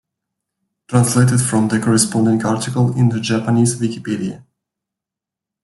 "Translated from the corresponding article in the Japanese Wikipedia"